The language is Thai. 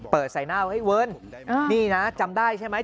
เปิดสายหน้าเวิร์นนี่นะจำได้ใช่ไหม